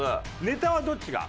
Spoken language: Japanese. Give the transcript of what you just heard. ネタはどっちが？